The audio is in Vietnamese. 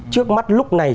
trước mắt lúc này